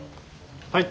はい。